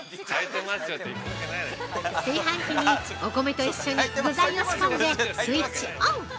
◆炊飯器にお米と一緒に具材を仕込んで、スイッチオン。